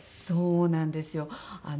そうなんですよ。